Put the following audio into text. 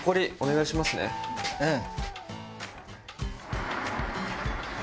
うん。